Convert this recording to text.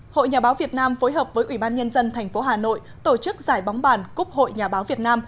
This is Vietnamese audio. hội nhà báo việt nam phối hợp với ủy ban nhân dân tp hà nội tổ chức giải bóng bàn cúc hội nhà báo việt nam